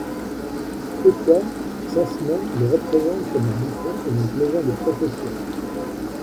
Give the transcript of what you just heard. Toutefois, Saint-Simon le représente comme un bouffon et un plaisant de profession.